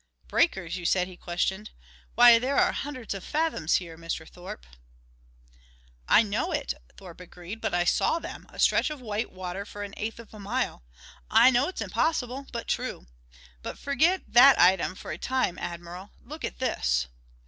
"Breakers, you said?" he questioned. "Why, there are hundreds of fathoms here, Mr. Thorpe." "I know it," Thorpe agreed, "but I saw them a stretch of white water for an eighth of a mile. I know it's impossible, but true. But forget that item for a time, Admiral. Look at this."